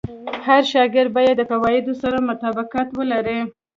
هر شاګرد باید د قواعدو سره مطابقت ولري.